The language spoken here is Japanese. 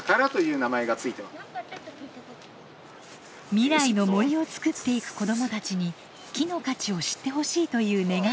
未来の森を作っていく子どもたちに木の価値を知ってほしいという願いを込めて。